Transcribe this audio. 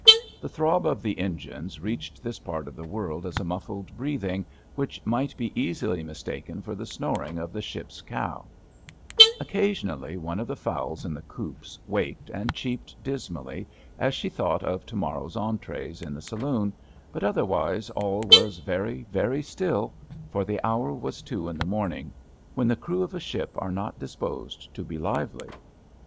The throb of the engines reached this part of the world as a muffled breathing which might be easily mistaken for the snoring of the ship's cow* 81 32 ABAFT THE FUNNEL Occasionally one of the fowls in the coops waked and cheeped dismally as she thought of to mor row's entrees in the saloon, but otherwise all was very, very still, for the hour was two in the morn ing, when the crew of a ship are not disposed to be lively.